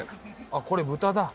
あっこれ豚だ。